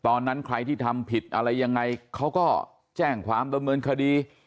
ตอนนั้นใครที่ทำผิดอะไรยังไงเขาก็แจ้งความดำเนินคดี